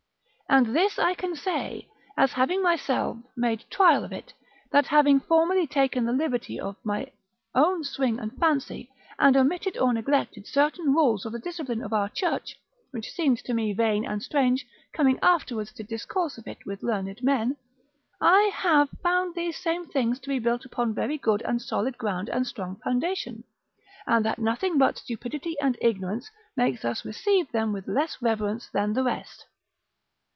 And this I can say, as having myself made trial of it, that having formerly taken the liberty of my own swing and fancy, and omitted or neglected certain rules of the discipline of our Church, which seemed to me vain and strange coming afterwards to discourse of it with learned men, I have found those same things to be built upon very good and solid ground and strong foundation; and that nothing but stupidity and ignorance makes us receive them with less reverence than the rest.